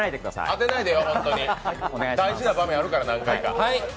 当てないでよ、大事な場面あるから何回か。